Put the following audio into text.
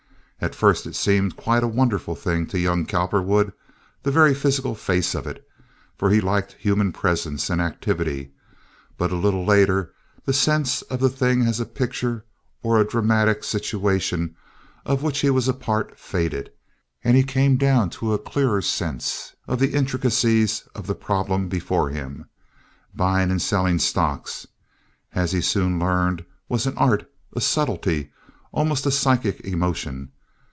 At first it seemed quite a wonderful thing to young Cowperwood—the very physical face of it—for he liked human presence and activity; but a little later the sense of the thing as a picture or a dramatic situation, of which he was a part faded, and he came down to a clearer sense of the intricacies of the problem before him. Buying and selling stocks, as he soon learned, was an art, a subtlety, almost a psychic emotion.